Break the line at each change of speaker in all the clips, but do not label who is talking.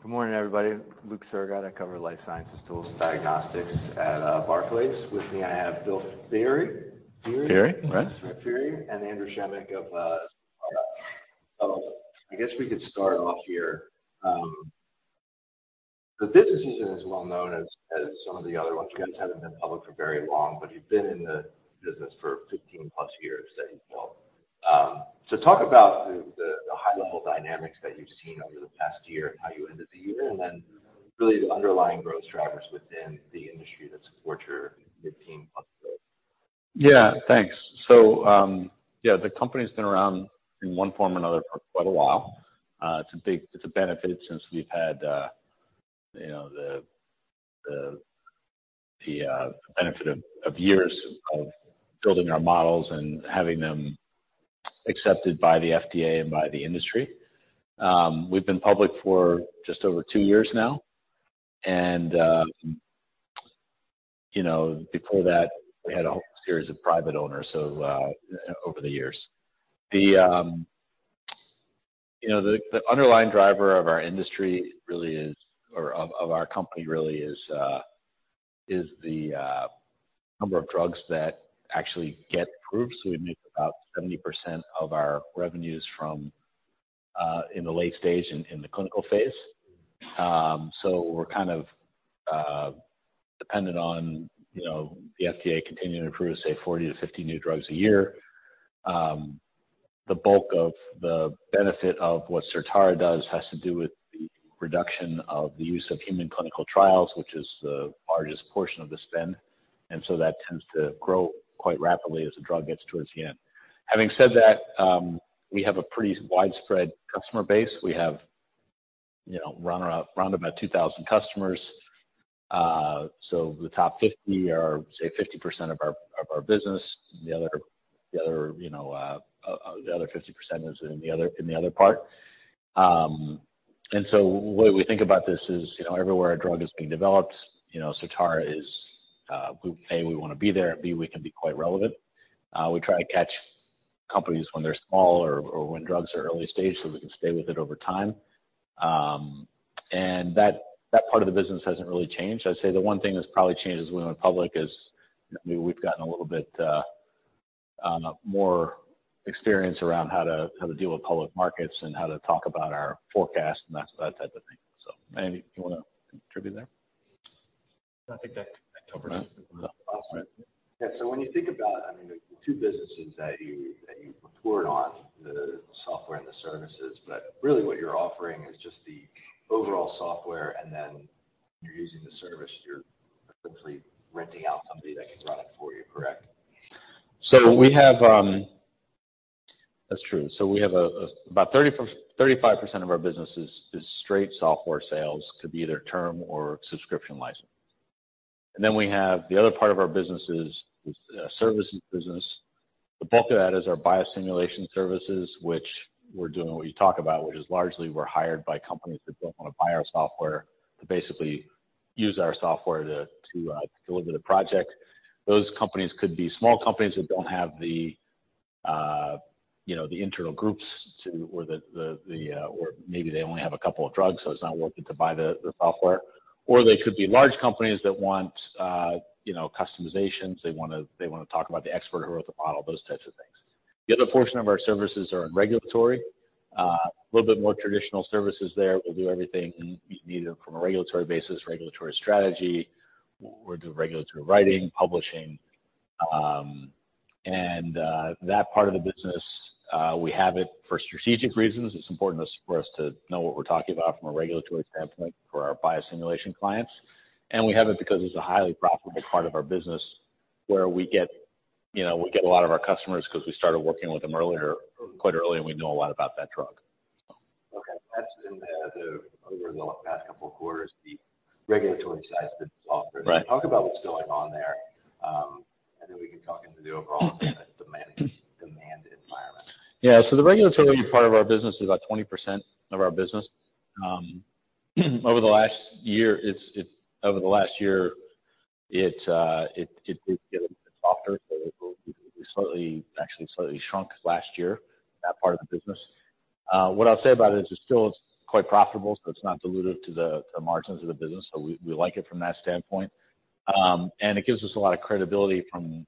Good morning, everybody. Luke Sergott, I cover life sciences tools diagnostics at Barclays. With me, I have William Feehery. Feary?
Feehery. Right.
That's right, Feehery. Andrew Schemick of,. I guess we could start off here. The business isn't as well known as some of the other ones. You guys haven't been public for very long, but you've been in the business for 15+ years that you've built. Talk about the high level dynamics that you've seen over the past year and how you ended the year, and then really the underlying growth drivers within the industry that support your mid-teen+ growth.
Yeah, thanks. Yeah, the company's been around in one form or another for quite a while. It's a benefit since we've had, you know, the benefit of years of building our models and having them accepted by the FDA and by the industry. We've been public for just over two years now. You know, before that, we had a whole series of private owners so over the years. The, you know, the underlying driver of our industry really is, or of our company really is the number of drugs that actually get approved. We make about 70% of our revenues from in the late stage in the clinical phase. We're kind of, dependent on, you know, the FDA continuing to approve, say, 40 to 50 new drugs a year. The bulk of the benefit of what Certara does has to do with the reduction of the use of human clinical trials, which is the largest portion of the spend. That tends to grow quite rapidly as the drug gets towards the end. Having said that, we have a pretty widespread customer base. We have, you know, round about 2,000 customers. The top 50 are, say, 50% of our, of our business. The other, you know, the other 50% is in the other, in the other part. What we think about this is, you know, everywhere a drug is being developed, you know, Certara is A, we wanna be there, B, we can be quite relevant. We try to catch companies when they're small or when drugs are early stage so we can stay with it over time. That part of the business hasn't really changed. I'd say the one thing that's probably changed as we went public is we've gotten a little bit more experience around how to deal with public markets and how to talk about our forecast and that type of thing. Andy, do you wanna contribute there?
No, I think that covers it.
No. All right.
Yeah. When you think about, I mean, the two businesses that you, that you report on, the software and the services, but really what you're offering is just the overall software, and then you're using the service, you're essentially renting out somebody that can run it for you, correct?
That's true. We have about 30%-35% of our business is straight software sales, could be either term or subscription license. We have the other part of our business is services business. The bulk of that is our biosimulation services, which we're doing what you talk about, which is largely we're hired by companies that don't wanna buy our software to basically use our software to deliver the project. Those companies could be small companies that don't have the, you know, the internal groups or maybe they only have a couple of drugs, so it's not worth it to buy the software. They could be large companies that want, you know, customizations. They wanna talk about the expert who wrote the model, those types of things. A little bit more traditional services there. We'll do everything you need from a regulatory basis, regulatory strategy. We'll do regulatory writing, publishing. That part of the business, we have it for strategic reasons. It's important for us to know what we're talking about from a regulatory standpoint for our biosimulation clients. We have it because it's a highly profitable part of our business where we get, you know, we get a lot of our customers because we started working with them earlier, quite early, and we know a lot about that drug.
Okay. That's been the, over the past couple quarters, the regulatory side's been softer.
Right.
Talk about what's going on there. Then we can talk into the overall demand environment.
The regulatory part of our business is about 20% of our business. Over the last year, it did get a bit softer. It slightly, actually slightly shrunk last year, that part of the business. What I'll say about it is it still is quite profitable, so it's not dilutive to the margins of the business. We like it from that standpoint. And it gives us a lot of credibility from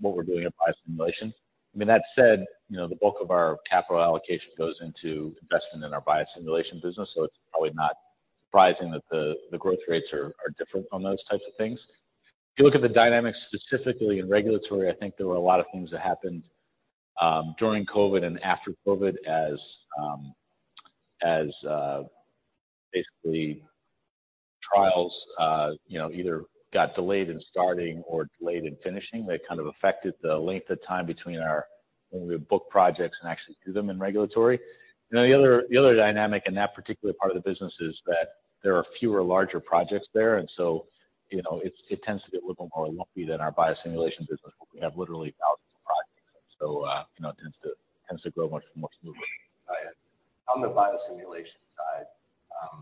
what we're doing at biosimulation. I mean, that said, you know, the bulk of our capital allocation goes into investing in our biosimulation business, it's probably not surprising that the growth rates are different on those types of things. If you look at the dynamics specifically in regulatory, I think there were a lot of things that happened, during COVID and after COVID as, basically trials, you know, either got delayed in starting or delayed in finishing. That kind of affected the length of time between when we book projects and actually do them in regulatory. You know, the other dynamic in that particular part of the business is that there are fewer larger projects there. You know, it tends to get a little more lumpy than our biosimulation business where we have literally thousands of projects. You know, it tends to grow much smoother.
Got it. On the biosimulation side, I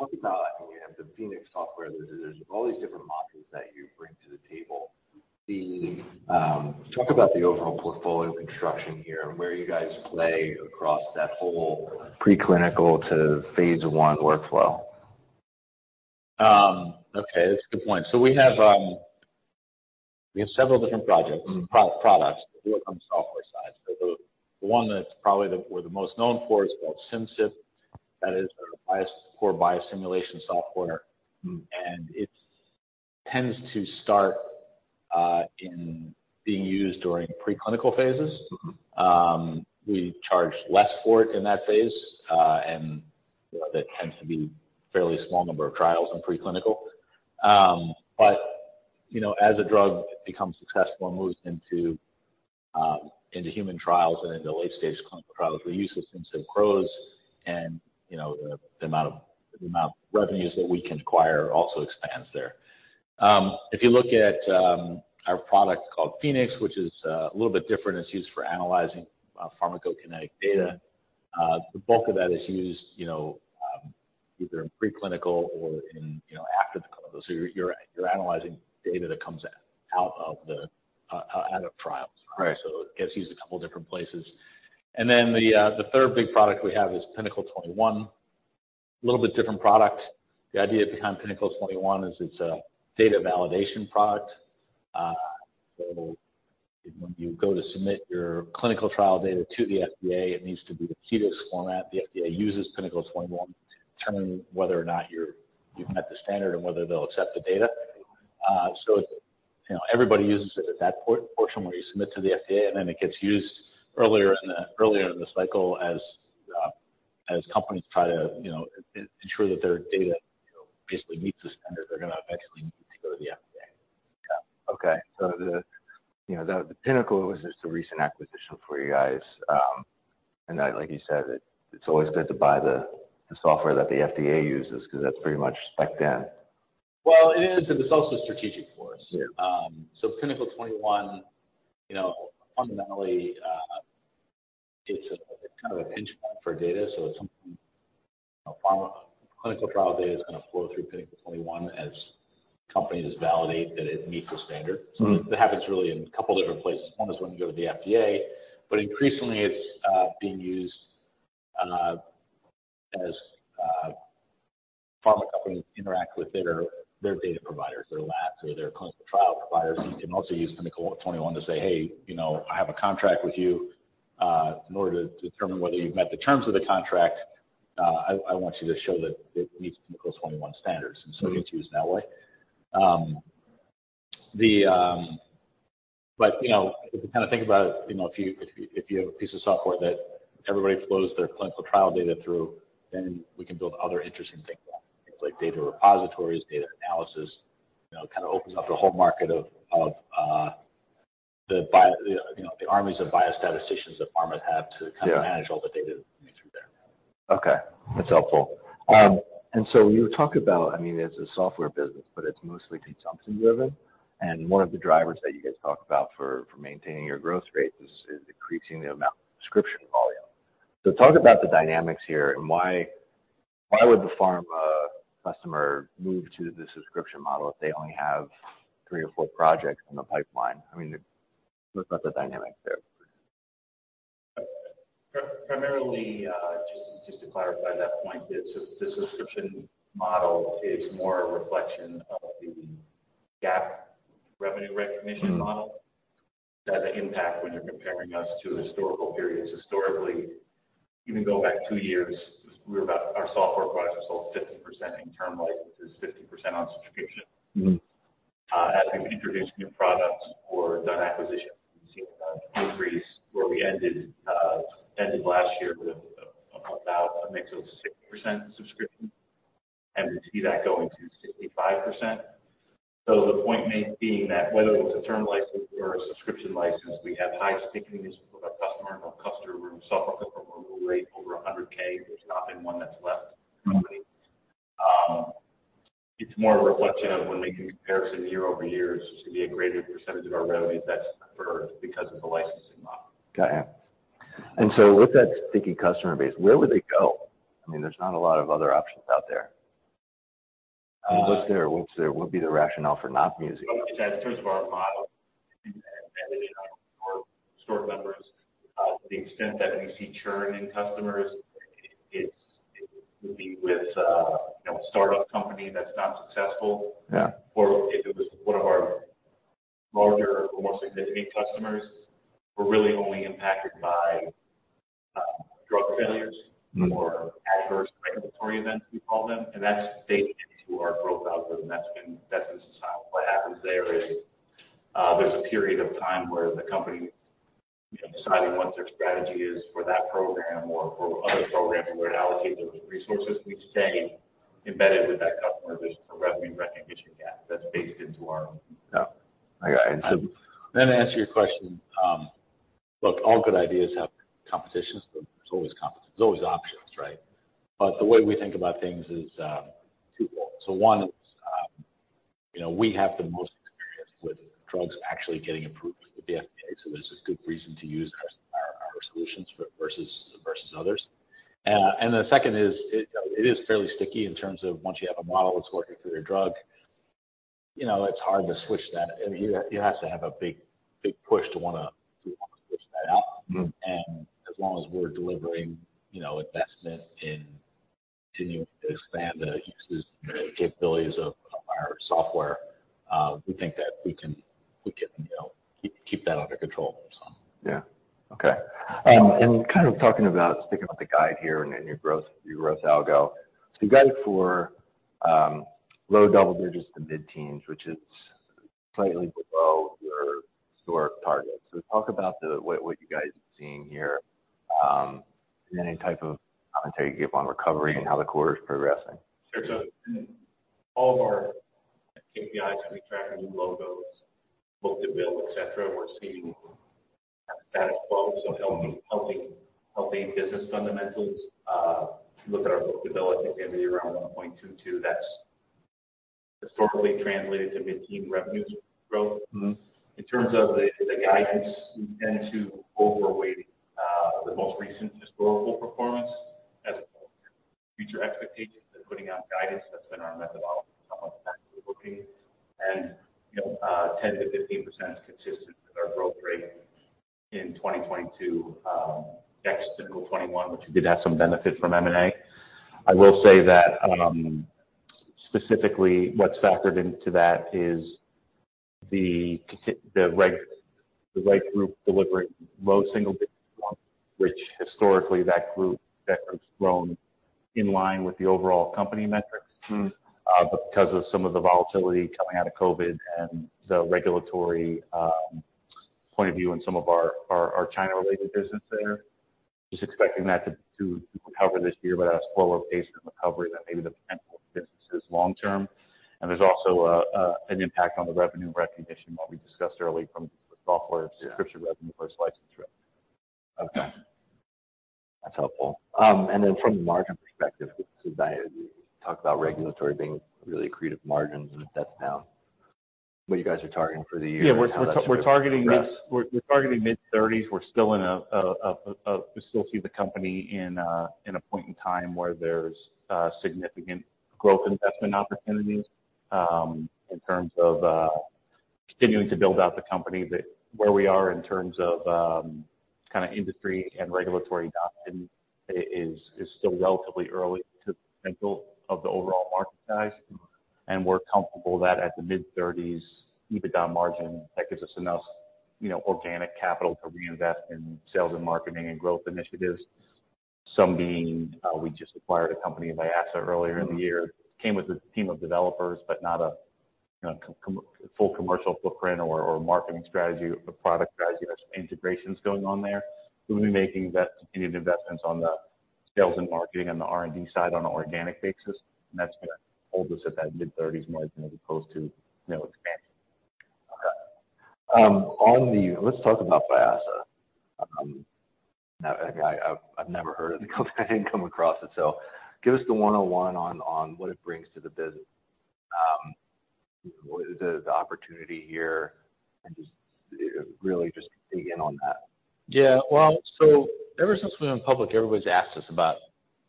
mean, you have the Phoenix software. There's all these different markets that you bring to the table. Talk about the overall portfolio construction here and where you guys play across that whole pre-clinical to phase 1 workflow.
Okay, that's a good point. We have several different projects, products. We work on the software side. The one that's probably the most known for is called Simcyp. That is our for biosimulation software.
Mm-hmm.
It tends to start, in being used during pre-clinical phases.
Mm-hmm.
We charge less for it in that phase, you know, that tends to be fairly small number of trials in pre-clinical. You know, as a drug becomes successful and moves into human trials and into late-stage clinical trials, we use the Simcyp CROs and, you know, the amount of revenues that we can acquire also expands there. If you look at our product called Phoenix, which is a little bit different, it's used for analyzing pharmacokinetic data. The bulk of that is used, you know, either in pre-clinical or in, you know, after the clinical. You're analyzing data that comes out of the out of trials.
Right.
It gets used a couple different places. Then the third big product we have is Pinnacle 21. A little bit different product. The idea behind Pinnacle 21 is it's a data validation product. When you go to submit your clinical trial data to the FDA, it needs to be the CDISC format. The FDA uses Pinnacle 21 to determine whether or not you've met the standard and whether they'll accept the data. It's, you know, everybody uses it at that portion where you submit to the FDA, and then it gets used earlier in the cycle as companies try to, you know, ensure that their data, you know, basically meets the standard they're gonna eventually need to go to the FDA.
Yeah. Okay. The, you know, the Pinnacle was just a recent acquisition for you guys. Like you said, it's always good to buy the software that the FDA uses because that's pretty much spec then.
Well, it is, but it's also strategic for us.
Yeah.
Pinnacle 21, you know, fundamentally, it's a, kind of a pinch point for data. It's something, you know, clinical trial data is gonna flow through Pinnacle 21 as companies validate that it meets the standard.
Mm-hmm.
That happens really in a couple different places. One is when you go to the FDA, but increasingly it's being used as pharma companies interact with their data providers, their labs, or their clinical trial providers. They can also use Pinnacle 21 to say, "Hey, you know, I have a contract with you. In order to determine whether you've met the terms of the contract, I want you to show that it meets Pinnacle 21 standards.
Mm-hmm.
It gets used that way. You know, if you kinda think about it, you know, if you have a piece of software that everybody flows their clinical trial data through, then we can build other interesting things on. Things like data repositories, data analysis. You know, it kinda opens up a whole market of, you know, the armies of biostatisticians that pharma have to...
Yeah.
kinda manage all the data coming through there.
Okay. That's helpful. You talk about, I mean, it's a software business, but it's mostly consumption-driven. One of the drivers that you guys talk about for maintaining your growth rate is increasing the amount of subscription volume. Talk about the dynamics here and why would the pharma customer move to the subscription model if they only have three projects or four projects in the pipeline? I mean, talk about the dynamics there.
Primarily, just to clarify that point, the subscription model is more a reflection of the GAAP revenue recognition model.
Mm.
That's an impact when you're comparing us to historical periods. Historically, even go back two years, our software products were sold 50% in term licenses, 50% on subscription.
Mm-hmm.
As we've introduced new products or done acquisitions, we've seen an increase where we ended last year with, about a mix of 60% subscription, and we see that going to 65%. The point being that whether it's a term license or a subscription license, we have high stickiness with our customer, and our customer renewal rate over $100K. There's not been one that's left the company. It's more a reflection of when making comparison year-over-year to be a greater percentage of our revenues that's deferred because of the licensing model.
Got you. With that sticky customer base, where would they go? I mean, there's not a lot of other options out there.
Um-
What would be the rationale for not using it?
In terms of our model or historic numbers, the extent that we see churn in customers it would be with you know, a startup company that's not successful.
Yeah.
If it was one of our larger or more significant customers, we're really only impacted by, drug failures.
Mm-hmm.
-or adverse regulatory events we call them. That's baked into our growth algorithm. That's been societal. What happens there is, there's a period of time where the company, you know, deciding what their strategy is for that program or for other programs and where to allocate those resources. We stay embedded with that customer. There's a revenue recognition gap that's baked into our...
Yeah. I got it.
To answer your question, look, all good ideas have competition. There's always competition. There's always options, right? The way we think about things is twofold. One is. You know, we have the most experience with drugs actually getting approved with the FDA. There's a good reason to use our solutions versus others. The second is, it is fairly sticky in terms of once you have a model that's working for your drug, you know, it's hard to switch that. I mean, you have to have a big push to wanna switch that out.
Mm-hmm.
As long as we're delivering, you know, investment in continuing to expand the uses and the capabilities of our software, we think that we can, you know, keep that under control.
Yeah. Okay. Kind of talking about, sticking with the guide here and then your growth algo. You guys for, low double digits to mid-teens, which is slightly below your historic target. Talk about what you guys are seeing here, and any type of commentary you give on recovery and how the quarter's progressing.
Sure. All of our KPIs that we track, new logos, book-to-bill, et cetera, we're seeing status quo, so healthy, healthy business fundamentals. If you look at our book-to-bill at the end of the year around 1.22, that's historically translated to mid-teen revenues growth.
Mm-hmm.
In terms of the guidance, we tend to overweight the most recent historical performance as opposed to future expectations in putting out guidance. That's been our methodology for some time.
Okay.
You know, 10%-15% is consistent with our growth rate in 2022, next to 2021, which did have some benefit from M&A. I will say that, specifically what's factored into that is the reg group delivering low single digits growth, which historically that group's grown in line with the overall company metrics.
Mm-hmm.
Because of some of the volatility coming out of COVID and the regulatory point of view in some of our China-related business there, just expecting that to recover this year, but at a slower pace than the recovery than maybe the potential of the business is long term. There's also an impact on the revenue recognition, what we discussed early from the software subscription revenue versus license revenue.
Okay. That's helpful. From the margin perspective, since I talked about regulatory being really accretive margins and that's now what you guys are targeting for the year and how that's going to progress?
Yeah. We're targeting mid-thirties. We still see the company in a point in time where there's significant growth investment opportunities in terms of continuing to build out the company that where we are in terms of kinda industry and regulatory adoption is still relatively early to the potential of the overall market size.
Mm-hmm.
We're comfortable that at the mid-30s EBITDA margin, that gives us enough, you know, organic capital to reinvest in sales and marketing and growth initiatives. Some being, we just acquired a company, Vyasa, earlier in the year.
Mm-hmm.
Came with a team of developers, but not a full commercial footprint or marketing strategy or product strategy. There's some integrations going on there. We'll be making continued investments on the sales and marketing and the R&D side on an organic basis, and that's gonna hold us at that mid-30s margin as opposed to, you know, expanding.
Okay. Let's talk about Vyasa. I've never heard of the company. I didn't come across it. Give us the one-on-one on what it brings to the business. What is the opportunity here, and just really dig in on that.
Well, ever since we went public, everybody's asked us about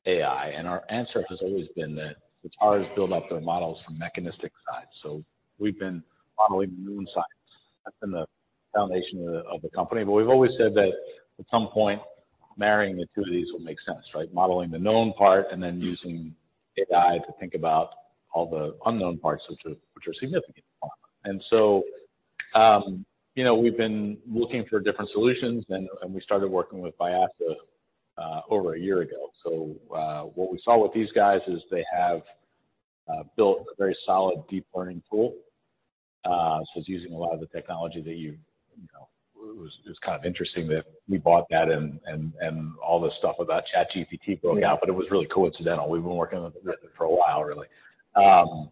AI, our answer has always been that Certara's built up their models from mechanistic side. We've been modeling known science. That's been the foundation of the company. We've always said that at some point, marrying the two of these will make sense, right? Modeling the known part using AI to think about all the unknown parts which are significant. You know, we've been looking for different solutions and we started working with Vyasa over one year ago. What we saw with these guys is they have built a very solid deep learning tool. It's using a lot of the technology that you know... It was kind of interesting that we bought that and all this stuff about ChatGPT broke out, but it was really coincidental. We've been working with it for a while, really. They've also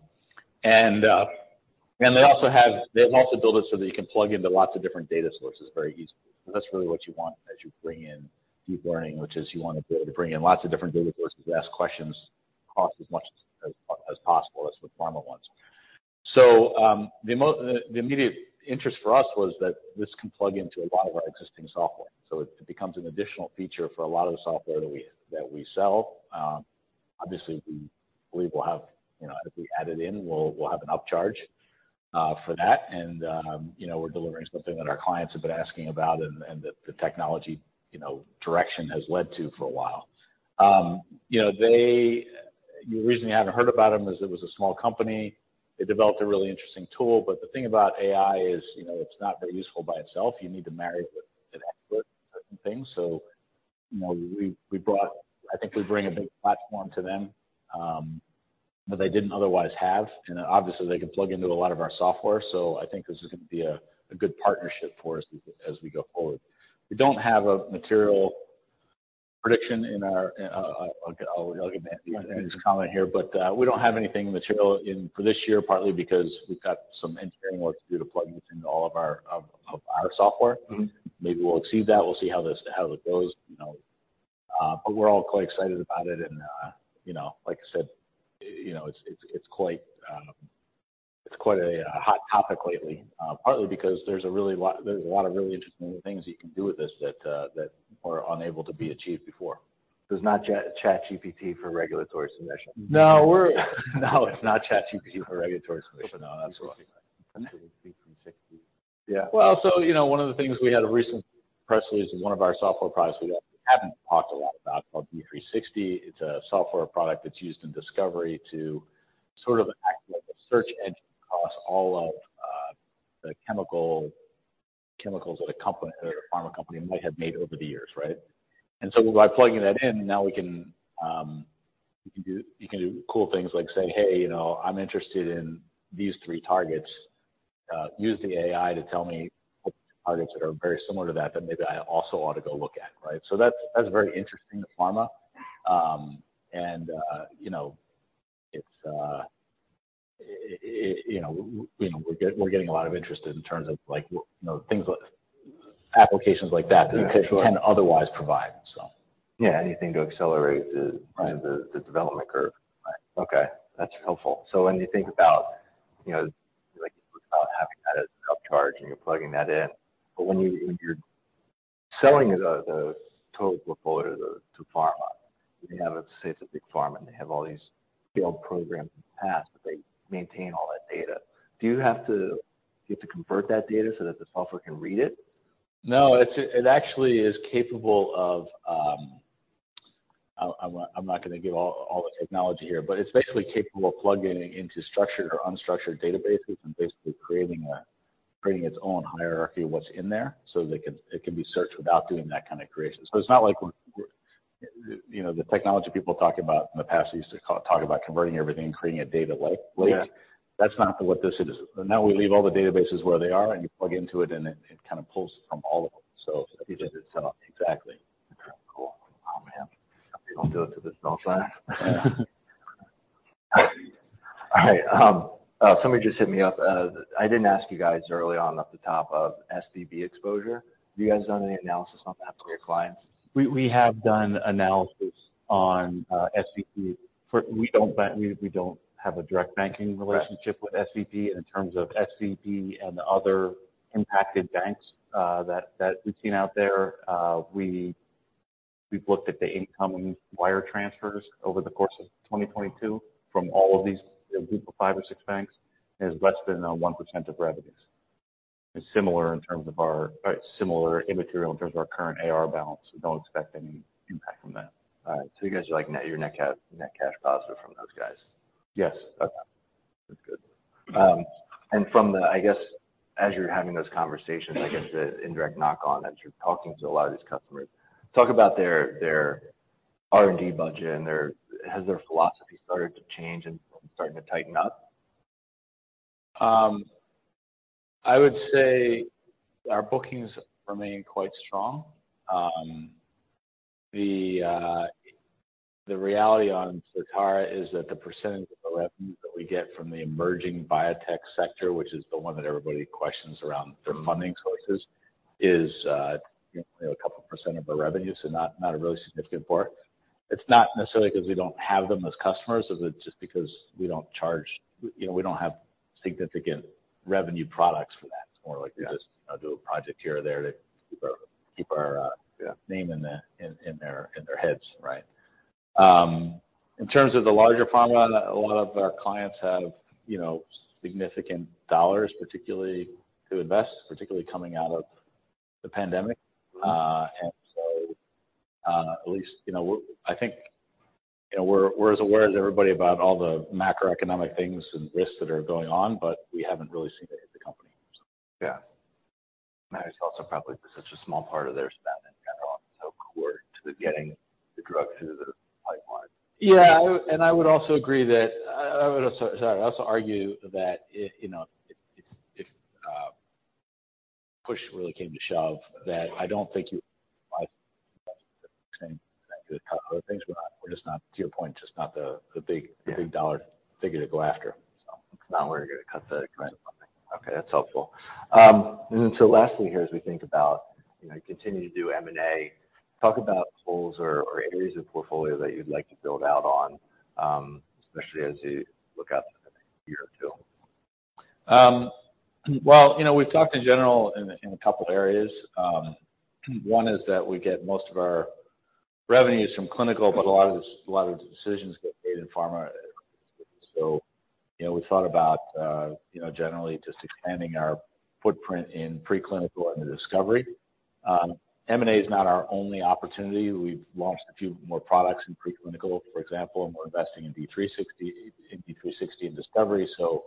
built it so that you can plug into lots of different data sources very easily. That's really what you want as you bring in deep learning, which is you wanna be able to bring in lots of different data sources, ask questions across as much as possible, that's what the pharma wants. The immediate interest for us was that this can plug into a lot of our existing software. It becomes an additional feature for a lot of the software that we sell. Obviously, we believe we'll have, you know, if we add it in, we'll have an upcharge for that. You know, we're delivering something that our clients have been asking about and that the technology, you know, direction has led to for a while. You know, the reason you haven't heard about them is it was a small company. They developed a really interesting tool. The thing about AI is, you know, it's not very useful by itself. You need to marry it with an expert in certain things. You know, I think we bring a big platform to them that they didn't otherwise have. Obviously, they can plug into a lot of our software. I think this is gonna be a good partnership for us as we go forward. We don't have a material prediction in our, I'll give Andy's comment here, but, we don't have anything material in for this year, partly because we've got some engineering work to do to plug into all of our software.
Mm-hmm.
Maybe we'll exceed that. We'll see how this, how it goes. We're all quite excited about it. You know, like I said, you know, it's quite a hot topic lately, partly because there's a lot of really interesting new things you can do with this that were unable to be achieved before.
There's not ChatGPT for regulatory submission.
No, it's not ChatGPT for regulatory submission. No. That's what. Yeah. You know, one of the things, we had a recent press release in one of our software products we actually haven't talked a lot about called D360. It's a software product that's used in discovery to sort of act like a search engine across all of the chemicals that a company or a pharma company might have made over the years, right? By plugging that in, now we can, you can do cool things like say, "Hey, you know, I'm interested in these three targets. Use the AI to tell me what targets that are very similar to that maybe I also ought to go look at." Right? That's very interesting to pharma. You know, it's you know, you know, we're getting a lot of interest in terms of like, you know, things like applications like that that we couldn't otherwise provide, so.
Yeah. Anything to accelerate the-
Right.
the development curve.
Right.
Okay. That's helpful. When you think about, you know, like about having that as an upcharge and you're plugging that in, but when you're selling the total portfolio to pharma, you have, say, it's a big pharma, and they have all these failed programs in the past, but they maintain all that data. Do you have to convert that data so that the software can read it?
No. It actually is capable of... I'm not gonna give all the technology here, it's basically capable of plugging into structured or unstructured databases and basically creating its own hierarchy of what's in there so that it can be searched without doing that kind of creation. It's not like, you know, the technology people talk about in the past used to talk about converting everything and creating a data lake.
Yeah.
That's not what this is. Now we leave all the databases where they are, you plug into it, and it kind of pulls from all of them. It does it itself.
Exactly. Cool. Oh, man. Hopefully, they don't do it to this call sign. All right. Somebody just hit me up. I didn't ask you guys early on at the top of SVB exposure. Have you guys done any analysis on that for your clients?
We have done analysis on SVB. We don't have a direct banking relationship with SVB. In terms of SVB and the other impacted banks that we've seen out there, we've looked at the incoming wire transfers over the course of 2022 from all of these, you know, group of five or six banks. It is less than 1% of revenues. Similar immaterial in terms of our current AR balance. We don't expect any impact from that.
All right. You guys are like you're net cash, net cash positive from those guys?
Yes.
Okay. That's good. I guess, as you're having those conversations, I guess the indirect knock on as you're talking to a lot of these customers, talk about their R&D budget. Has their philosophy started to change and starting to tighten up?
I would say our bookings remain quite strong. The reality on Certara is that the percentage of the revenues that we get from the emerging biotech sector, which is the one that everybody questions around their funding sources, is, you know, a couple percent of the revenue. Not a really significant part. It's not necessarily 'cause we don't have them as customers as it's just because we don't charge. You know, we don't have significant revenue products for that. It's more like we just.
Yeah.
do a project here or there to keep our-
Yeah.
name in their heads, right? In terms of the larger pharma, a lot of our clients have, you know, significant dollars particularly to invest, particularly coming out of the pandemic. At least, you know, I think, you know, we're as aware as everybody about all the macroeconomic things and risks that are going on, but we haven't really seen it hit the company.
It's also probably such a small part of their spending and often so core to the getting the drug through the pipeline.
Yeah. I also argue that you know, if push really came to shove that I don't think you
Right.
Other things we're not, we're just not, to your point, just not the big-
Yeah.
the big dollar figure to go after. It's not where you're gonna cut the funding.
Okay. That's helpful. Lastly here, as we think about, you know, continue to do M&A, talk about holes or areas of portfolio that you'd like to build out on, especially as you look out in the next year or two.
Well, you know, we've talked in general in a couple areas. One is that we get most of our revenues from clinical, but a lot of the decisions get made in pharma. You know, we thought about, you know, generally just expanding our footprint in preclinical into discovery. M&A is not our only opportunity. We've launched a few more products in preclinical, for example, and we're investing in D360 in discovery. You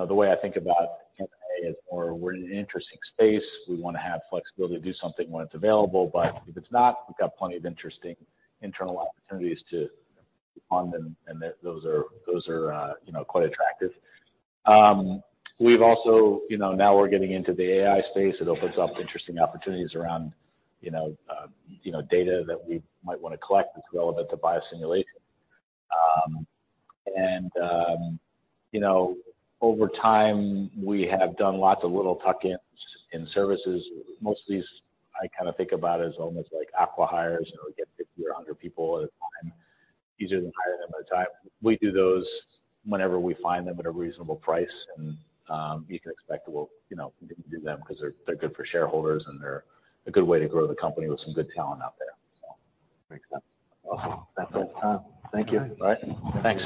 know, the way I think about M&A is more we're in an interesting space. We wanna have flexibility to do something when it's available, but if it's not, we've got plenty of interesting internal opportunities to fund them, and those are, you know, quite attractive. We've also... You know, now we're getting into the AI space. It opens up interesting opportunities around, you know, data that we might wanna collect that's relevant to biosimulation. You know, over time, we have done lots of little tuck-ins in services. Most of these I kinda think about as almost like acqui-hires. You know, we get 50 people or 100 people at a time. It's easier than hiring them at a time. We do those whenever we find them at a reasonable price and, you can expect we'll, you know, do them 'cause they're good for shareholders, and they're a good way to grow the company with some good talent out there, so.
Makes sense. Well, that's our time. Thank you.
All right. Thanks.